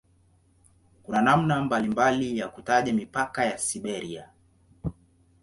Kuna namna mbalimbali ya kutaja mipaka ya "Siberia".